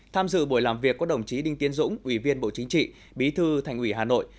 tham dự buổi làm việc có đồng chí đinh tiến dũng ủy viên bộ chính trị bí thư thành ủy hà nội